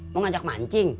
mau ngajak mancing